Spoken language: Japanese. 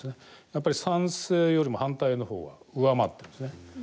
やっぱり賛成よりも反対の方が上回ってるんですね。